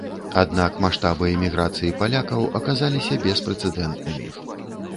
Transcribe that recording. Аднак маштабы эміграцыі палякаў аказаліся беспрэцэдэнтнымі.